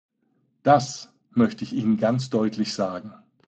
Das möchte ich Ihnen ganz deutlich sagen.